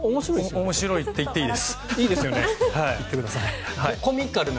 面白いと言っていいです。